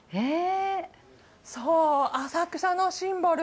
そう、浅草のシンボル